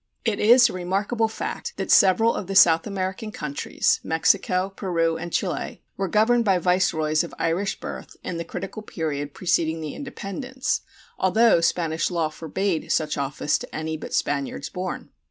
It is a remarkable fact that several of the South American countries, Mexico, Peru, and Chile, were governed by viceroys of Irish birth in the critical period preceding the Independence, although Spanish law forbade such office to any but Spaniards born.